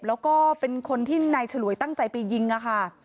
แล้วก็เป็นคนที่นายฉลวยตั้งใจไปยิงค่ะ